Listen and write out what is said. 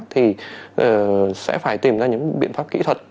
thì sẽ phải tìm ra những biện pháp kỹ thuật